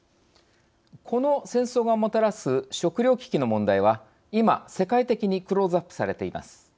この戦争がもたらす食糧危機の問題は今、世界的にクローズアップされています。